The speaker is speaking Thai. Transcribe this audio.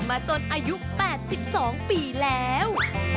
จนอายุ๘๒ปีแล้ว